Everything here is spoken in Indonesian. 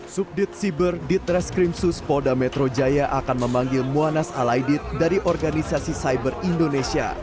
subdit siber ditreskrimsus poda metro jaya akan memanggil muwanas alaidit dari organisasi cyber indonesia